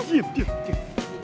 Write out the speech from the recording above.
diam diam diam